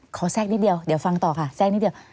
แทรกนิดเดียวเดี๋ยวฟังต่อค่ะแทรกนิดเดียว